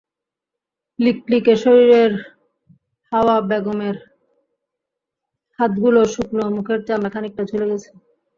লিকলিকে শরীরের হাওয়া বেগমের হাতগুলো শুকনো, মুখের চামড়া খানিকটা ঝুলে গেছে।